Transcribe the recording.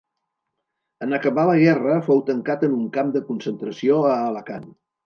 En acabar la guerra fou tancat en un camp de concentració a Alacant.